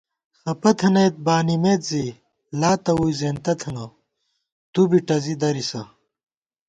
خپہ تھنَئیت بانِمېت زی لاتہ ووئی زېنتہ تھنہ تُو بی ٹَزی درِسہ